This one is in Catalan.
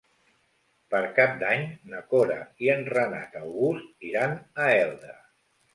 Per Cap d'Any na Cora i en Renat August iran a Elda.